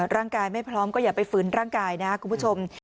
ร่างกายไม่พร้อมก็อย่าไปฝืนร่างกายนะครับคุณผู้ชม